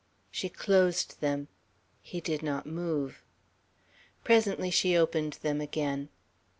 She closed them. He did not move. Presently she opened them again.